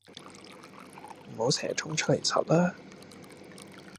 唔好成日衝出嚟柒啦